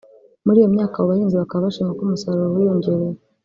muri iyo myaka abo bahinzi bakaba bashima ko umusaruro wiyongereye